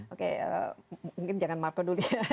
oke mungkin jangan marco dulu ya